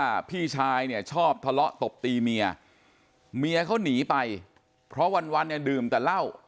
พี่ชายเนี่ยชอบทะเลาะตบตีเมียเมียเขาหนีไปเพราะวันวันเนี่ยดื่มแต่เหล้า